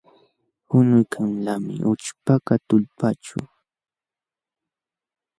Qunuykanlaqmi ućhpakaq tullpaaćhu.